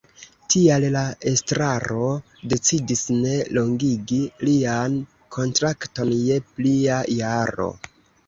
Tial la estraro decidis ne longigi lian kontrakton je plia jaro.